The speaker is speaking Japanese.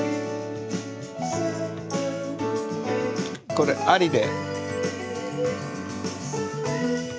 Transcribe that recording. これありで。